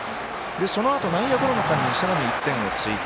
そのあと、内野ゴロの間にさらに１点を追加。